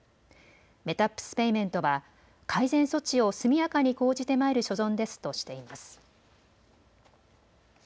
メタップスペイメントは改善措置を速やかに講じてまいる所存ですとしています。